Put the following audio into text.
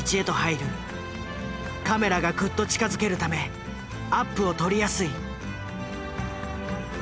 カメラがぐっと近づけるためアップを撮りやすい。